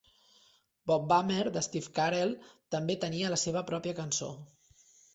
Bob Bummer, de Steve Carell, també tenia la seva pròpia cançó.